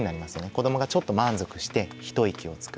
子どもがちょっと満足して一息をつく。